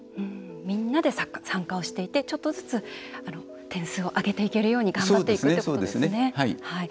みんなで参加していってちょっとずつ点数を上げていけるように頑張っていくということですよね。